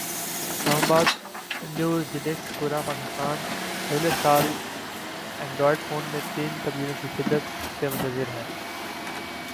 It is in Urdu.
اسلام آبادنیو زڈیسکپورا پاکستان اگلے سال اینڈرائیڈ فون میں تین تبدیلیوں کی شدت سے منتظر ہے